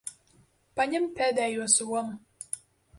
Paņem pēdējo somu.